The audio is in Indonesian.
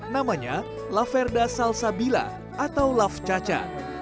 namanya laverda salsabila atau laf caca